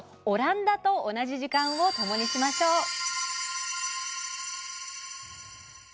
オランダと同じ時間をともにしましょう。